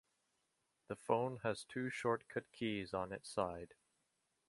The phone has two shortcut keys on its side.